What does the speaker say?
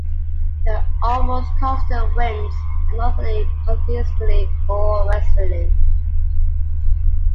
The almost constant winds are northerly, northeasterly, or westerly.